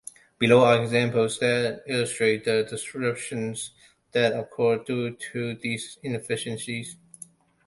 Below are examples that illustrate the disruptions that occur due to these inefficiencies.